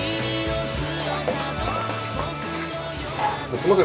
すいません